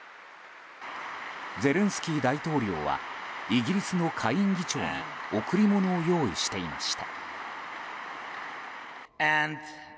ゼレンスキー大統領はイギリスの下院議長に贈り物を用意していました。